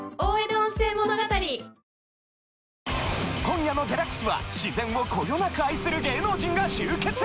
今夜の『ＤＸ』は自然をこよなく愛する芸能人が集結！